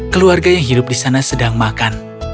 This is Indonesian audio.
keluarga yang hidup di sana sedang makan